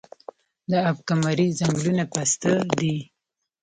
د اب کمري ځنګلونه پسته دي